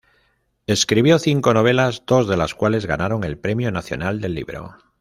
Escribió cinco novelas, dos de las cuales ganaron el Premio Nacional del Libro.